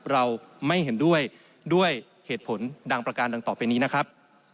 เราไม่เห็นด้วยด้วยเหตุผลดังประการดังต่อไปนี้นะครับ